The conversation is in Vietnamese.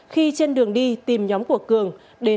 khi trên đường đi tìm nhóm của cường